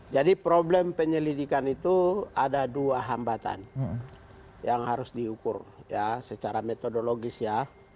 jadi problem penyelidikan itu ada dua hambatan yang harus diukur secara metodologis ya